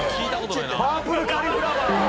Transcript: パープルカリフラワー！